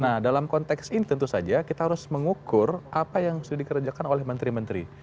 nah dalam konteks ini tentu saja kita harus mengukur apa yang sudah dikerjakan oleh menteri menteri